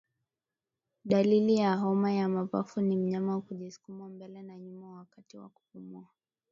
Dalili ya homa ya mapafu ni mnyama kujisukuma mbele na nyuma wakati wa kupumua